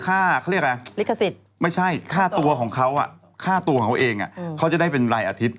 เขาเรียกอะไรอ่ะไม่ใช่ค่าตัวของเขาอ่ะค่าตัวของเขาเองอ่ะเขาจะได้เป็นรายอาทิตย์